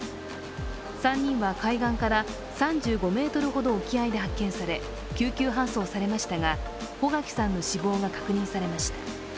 ３人は海岸から３５ｍほど沖合で発見され救急搬送されましたが、穗垣さんの死亡が確認されました。